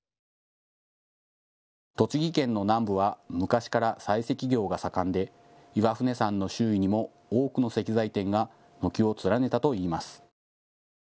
栃木県の南部は昔から採石業が盛んで岩船山の周囲にも多くの石材店が軒を連ねたといいます。